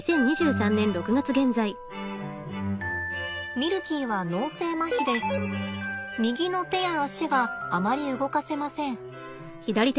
ミルキーは脳性まひで右の手や足があまり動かせません。